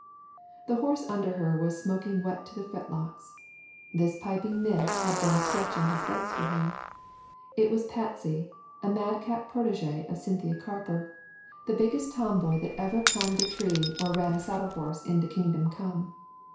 The horse under her was smoking wet to the fetlocks. This piping miss had been stretching his legs for him. It was Patsy, a madcap protegée of Cynthia Carper, the biggest tomboy that ever climbed a tree or ran a saddle horse into "kingdom come."